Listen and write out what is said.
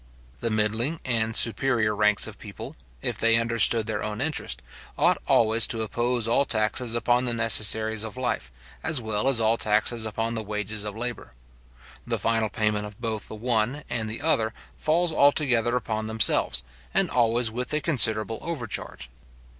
The middling and superior ranks of people, if they understood their own interest, ought always to oppose all taxes upon the necessaries of life, as well as all taxes upon the wages of labour. The final payment of both the one and the other falls altogether upon themselves, and always with a considerable overcharge.